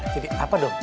jadi apa dong